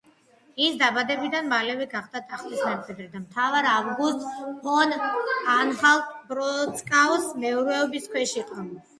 ის დაბადებიდან მალევე გახდა ტახტის მემკვიდრე და მთავარ ავგუსტ ფონ ანჰალტ-პლოცკაუს მეურვეობის ქვეშ იყო.